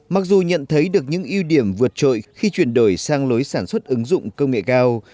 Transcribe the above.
mặc dù nhận thấy được những ưu điểm vượt trội khi chuyển đổi sang lối sản xuất ứng dụng công nghệ cao